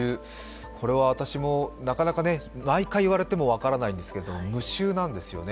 これは私も毎回言われても分からないんですけれども無臭なんですよね。